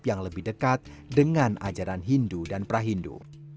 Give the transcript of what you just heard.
yang lebih dekat dengan ajaran hindu dan prahindu